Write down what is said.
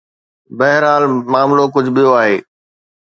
بهرحال معاملو ڪجهه ٻيو آهي.